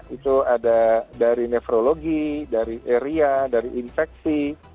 itu ada dari nefrologi dari eria dari infeksi